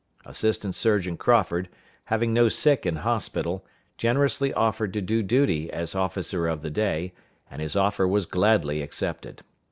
Assistant surgeon Crawford, having no sick in hospital, generously offered to do duty as officer of the day, and his offer was gladly accepted.